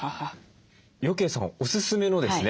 余慶さんおすすめのですね